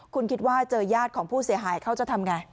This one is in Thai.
คุณคิดว่าเจอญาติของผู้เสียหายเขาจะทำไง